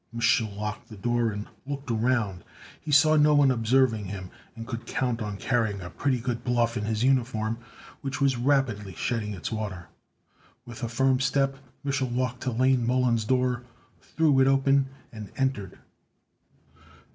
Mich'l locked the door and looked around. He saw no one observing him, and could count on carrying a pretty good bluff in his uniform, which was rapidly shedding its water. With a firm step Mich'l walked to Lane Mollon's door, threw it open, and entered.